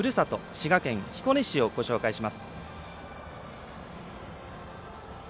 滋賀県彦根市をご紹介します。